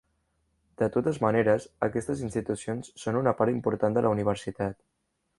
De totes maneres, aquestes institucions són una part important de la universitat.